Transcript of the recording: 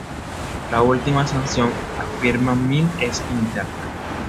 La última sanción, afirma Mill, es interna.